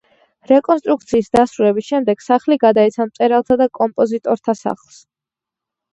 რეკონსტრუქციის დასრულების შემდეგ სახლი გადაეცა მწერალთა და კომპოზიტორთა სახლს.